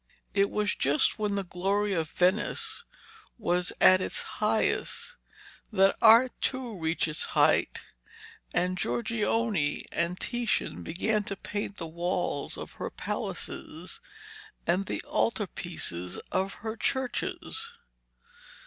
It was just when the glory of Venice was at its highest that Art too reached its height, and Giorgione and Titian began to paint the walls of her palaces and the altarpieces of her churches.